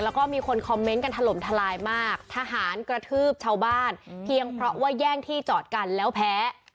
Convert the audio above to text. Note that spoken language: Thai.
แล้วก็มีคนคอมเมนต์กันถล่มทลายมากทหารกระทืบชาวบ้านเพียงเพราะว่าแย่งที่จอดกันแล้วแพ้